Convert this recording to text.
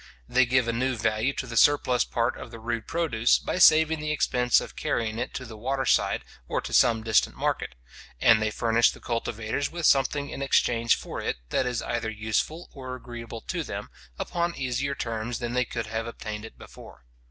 They give a new value to the surplus part of the rude produce, by saving the expense of carrying it to the water side, or to some distant market; and they furnish the cultivators with something in exchange for it that is either useful or agreeable to them, upon easier terms than they could have obtained it before.